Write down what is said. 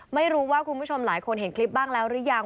ไม่รู้ว่าคุณผู้ชมหลายคนเห็นคลิปบ้างแล้วหรือยัง